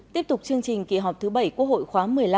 tiếp tục chương trình kỳ họp thứ bảy quốc hội khóa một mươi năm